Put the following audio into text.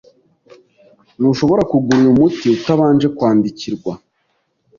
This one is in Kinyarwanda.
Ntushobora kugura uyu muti utabanje kwandikirwa.